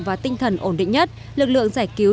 và tinh thần ổn định nhất lực lượng giải cứu